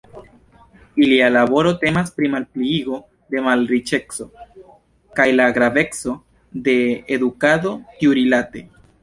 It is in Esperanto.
Ilia laboro temas pri “malpliigo de malriĉeco” kaj la graveco de edukado tiurilate.